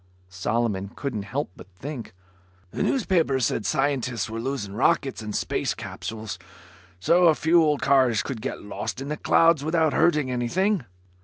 Solomon couldn't help but think, "The newspapers said scientists were losing rockets and space capsules, so a few old cars could get lost in the clouds without hurting anything."